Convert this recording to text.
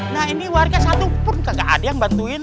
nah ini warga satupun kagak ada yang bantuin